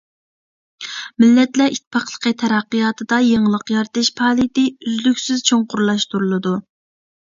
مىللەتلەر ئىتتىپاقلىقى تەرەققىياتىدا يېڭىلىق يارىتىش پائالىيىتى ئۈزلۈكسىز چوڭقۇرلاشتۇرۇلىدۇ.